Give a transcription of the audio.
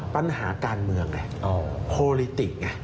ปัญหาการเมืองโคลิติกไง